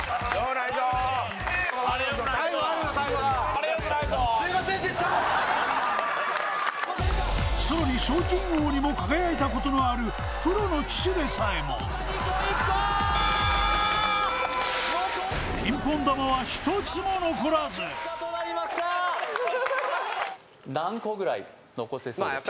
態度があれよくないぞさらに賞金王にも輝いたことのあるプロの騎手でさえもピンポン球は何個ぐらい残せそうですか？